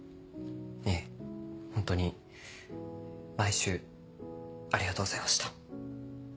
本当に毎週ありがとうございました。